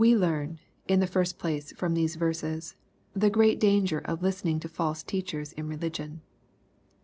We learn, in the first place, from these verses, the great danger of listening to false teachers in religion.